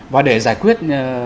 và để giải quyết